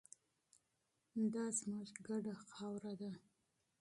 دا زموږ ګډه خاوره ده.